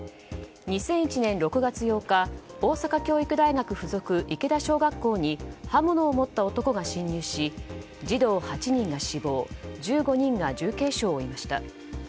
２００１年６月８日大阪教育大学附属池田小学校に刃物を持った男が侵入し児童８人が死亡１５人が重軽傷を負いました。